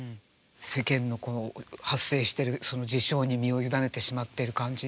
世間のこの発生してるその事象に身を委ねてしまってる感じ。